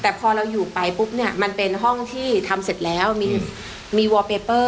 แต่พอเราอยู่ไปปุ๊บเนี่ยมันเป็นห้องที่ทำเสร็จแล้วมีวอลเปเปอร์